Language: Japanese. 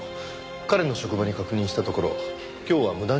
彼の職場に確認したところ今日は無断欠勤してます。